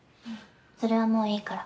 それはもういいから。